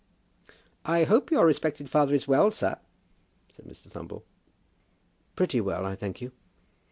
"I hope your respected father is well, sir?" said Mr. Thumble. "Pretty well, I thank you."